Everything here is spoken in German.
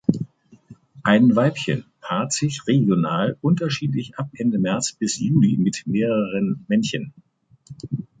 Ein Weibchen paart sich regional unterschiedlich ab Ende März bis Juli mit mehreren Männchen.